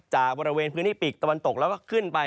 บริเวณพื้นที่ปีกตะวันตกแล้วก็ขึ้นไป